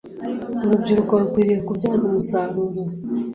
urubyiruko rukwiriye kubyaza umusaruro